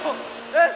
えっ？